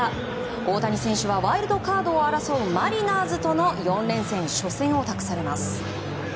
大谷選手はワイルドカードを争うマリナーズとの４連戦初戦を託されます。